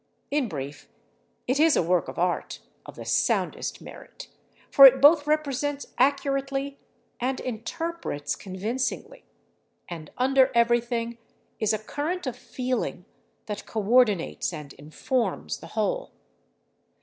In brief, it is a work of art of the soundest merit, for it both represents accurately and interprets convincingly, and under everything is a current of feeling that coordinates and informs the whole.